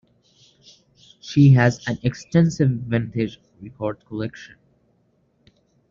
She has an extensive vintage record collection.